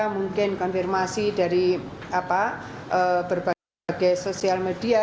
mungkin konfirmasi dari berbagai sosial media